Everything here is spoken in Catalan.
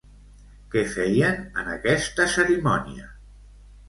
Què feien en aquesta cerimònia?